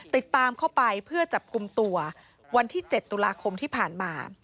ติดตามเข้าไปเพื่อจับกลุ่มตัววันที่๗ตุลาคมที่ผ่านมา